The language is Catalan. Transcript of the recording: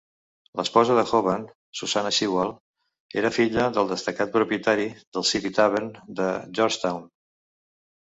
L'esposa de Hoban, Susanna Sewall, era filla del destacat propietari del City Tavern de Georgetown.